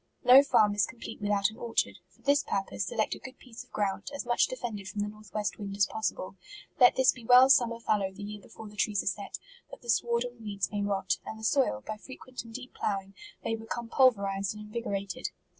No farm is complete without an orchard : for this purpose select a good piece of ground, as much defended from the north west wind as possible. Let this be well summer fal lowed the year before the trees are set, that the sward and weeds may rot, and the soil, by frequent and deep ploughing, may become pulverized and invigorated.